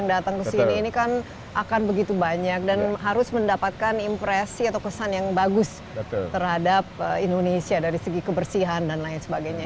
jadi orang orang yang datang ke sini ini kan akan begitu banyak dan harus mendapatkan impresi atau kesan yang bagus terhadap indonesia dari segi kebersihan dan lain sebagainya